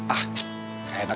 ah kena kecil aja pakai kangen